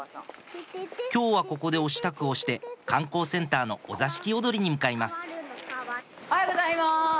今日はここでお支度をして観光センターのお座敷おどりに向かいますおはようございます。